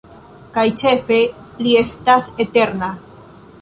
Kaj ĉefe, li estas eterna.